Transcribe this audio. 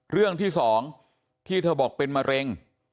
เรื่องที่๒ที่เธอบอกเป็นมะเร็ง